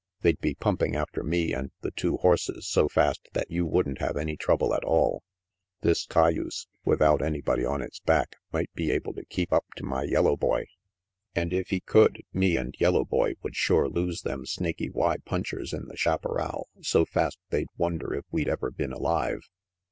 They'd be pumping after me and the two horses so fast that you wouldn't have any trouble at all. This cayuse, without anybody on its back, might be able to keep up to my yellow boy, 140 RANGY PETE and if he could, me and yellow boy would shore them Snaky Y punchers in the chaparral so fast they'd wonder if we'd ever been alive.